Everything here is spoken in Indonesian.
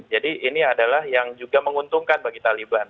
jadi ini adalah yang juga menguntungkan bagi taliban